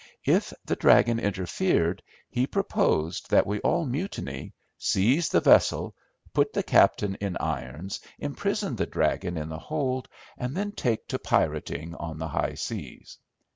If the "dragon" interfered, he proposed that we all mutiny, seize the vessel, put the captain in irons, imprison the "dragon" in the hold, and then take to pirating on the high seas.